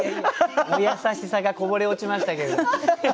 お優しさがこぼれ落ちましたけれど。